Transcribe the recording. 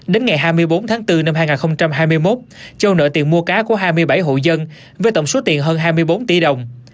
đến ngày hai mươi bốn tháng bốn năm hai nghìn hai mươi một châu nợ tiền mua cá của hai mươi bảy hộ dân với tổng số tiền hơn hai mươi bốn tỷ đồng